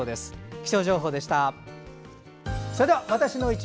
気象情報でした。